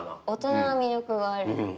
大人の魅力がある。